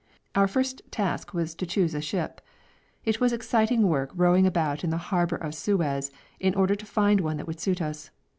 Our first task was to choose a ship; it was exciting work rowing about in the harbour of Suez in order to find one that would suit us.